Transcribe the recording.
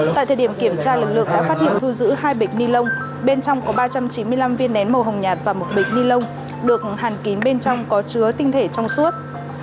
tại thời điểm kiểm tra lực lượng đã phát hiện thu giữ hai bịch ni lông bên trong có ba trăm chín mươi năm viên nén màu hồng nhạt và một bịch ni lông được hàn kín bên trong có chứa tinh thể trong suốt